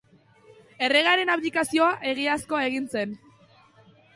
Erregearen abdikazioa egiazko egin zen.